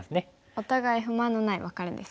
お互い不満のないワカレですかね。